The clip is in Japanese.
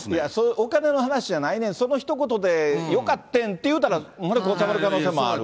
お金の話じゃないねん、そのひと言でよかってんって言ったら、丸く収まる可能性もある。